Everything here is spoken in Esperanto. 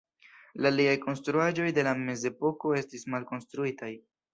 La aliaj konstruaĵoj de la Mezepoko estis malkonstruitaj.